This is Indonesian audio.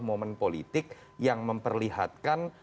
momen politik yang memperlihatkan